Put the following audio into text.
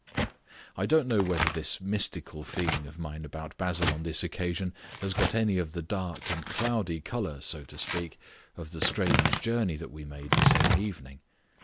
I don't know whether this mystical feeling of mine about Basil on this occasion has got any of the dark and cloudy colour, so to speak, of the strange journey that we made the same evening.